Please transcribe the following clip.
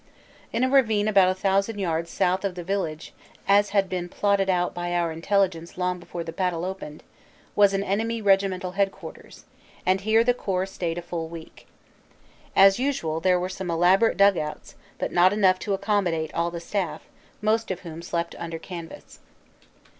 In a ravine about a thousand yards south of the village as had been plot ted out by our Intelligence long before the battle opened was an enemy regimental headquarters, and here the Corps stayed a full week. As usual there were some elaborate dug outs, but not enough to accommodate all the staff, most of whom slept under canvas.